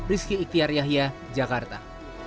rizki iktiar yahya jakarta